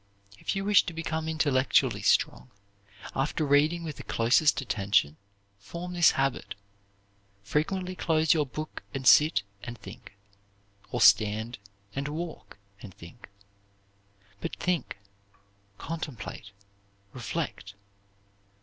If you wish to become intellectually strong, after reading with the closest attention, form this habit: frequently close your book and sit and think, or stand and walk and think but think, contemplate, reflect.